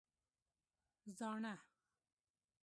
🦩زاڼه